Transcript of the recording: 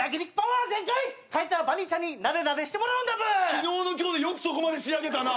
昨日の今日でよくそこまで仕上げたな。